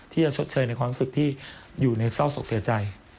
ที่จะชดเชยในความสุขที่อยู่ในเศร้าสกเสียใจ